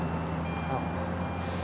あっ。